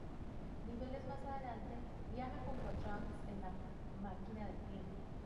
Niveles más adelante, viaja junto a Trunks en la máquina del tiempo.